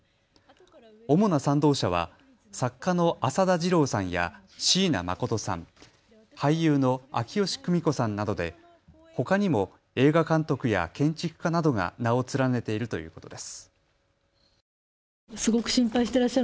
主な賛同者は作家の浅田次郎さんや椎名誠さん、俳優の秋吉久美子さんなどでほかにも映画監督や建築家などが名を連ねているということです。